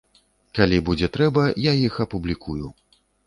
Калі будзе трэба, я іх апублікую.